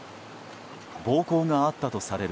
暴行があったとされる